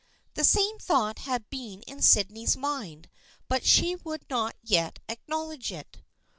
The same thought had been in Sydney's mind but she would not yet acknowledge it.